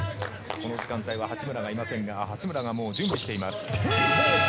この時間帯は八村がいませんが、八村がもう準備しています。